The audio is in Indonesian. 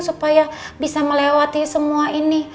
supaya bisa melewati semua ini